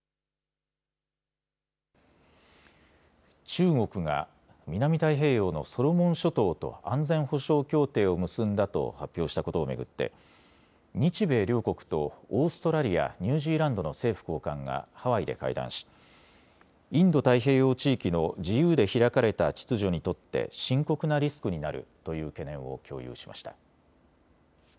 中国が南太平洋のソロモン諸島と安全保障協定を結んだと発表したことを巡って日米両国とオーストラリア、ニュージーランドの政府高官がハワイで会談しインド太平洋地域の自由で開かれた秩序にとって深刻なリスクになるという懸念を共有しました。